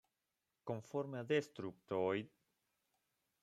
Conforme a Destructoid.